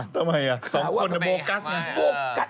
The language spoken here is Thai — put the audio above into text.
ทำไมอ่ะสองคนนะโบกัสน่ะโบกัส